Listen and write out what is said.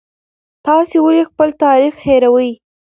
تاسې ولې خپل تاریخ هېروئ؟